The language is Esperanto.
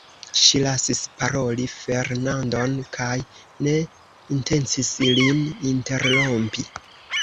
Ŝi lasis paroli Fernandon, kaj ne intencis lin interrompi.